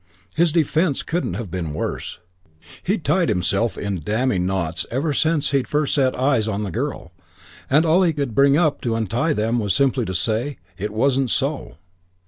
His defence couldn't have been worse. He'd tied himself in damning knots ever since he'd first set eyes on the girl, and all he could bring to untie them was simply to say, 'It wasn't so.'